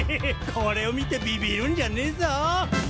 これを見てビビるんじゃねぞ。